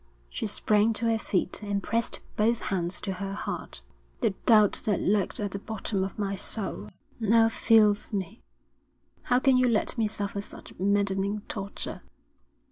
She sprang to her feet and pressed both hands to her heart. 'The doubt that lurked at the bottom of my soul, now fills me. How can you let me suffer such maddening torture?'